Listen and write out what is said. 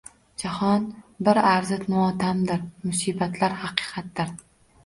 Jahon bir arzi motamdir, musibatlar haqiqatdir